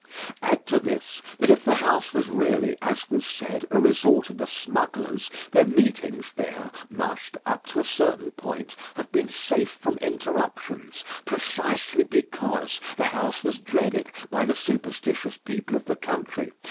Add to this, that if the house was really, as was said, a resort of the smugglers, their meetings there must, up to a certain point, have been safe from interruptions precisely because the house was dreaded by the superstitious people of the country.